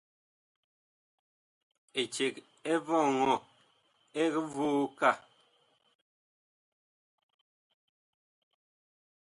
Eceg ɛ vɔŋɔ ɛg voo kaa.